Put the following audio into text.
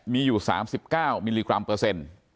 มีอยู่๓๙มิลลิกรัมเปอร์เซ็นต์